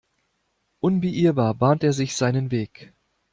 Unbeirrbar bahnt er sich seinen Weg.